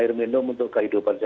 yang menemukan ac